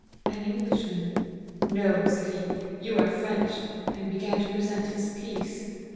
'An Englishman/ ' No,' said he, ' you are French,' and began to pre sent his piece.